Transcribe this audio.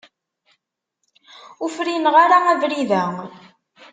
Ur frineɣ ara abrid-a.